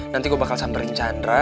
nanti gue bakal samperin chandra